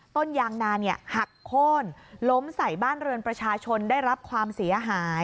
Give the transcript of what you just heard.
ต้นยางนาหักโค้นล้มใส่บ้านเรือนประชาชนได้รับความเสียหาย